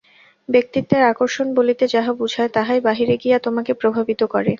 ব্যক্তিত্বের আকর্ষণ বলিতে যাহা বুঝায়, তাহাই বাহিরে গিয়া তোমাকে প্রভাবিত করে।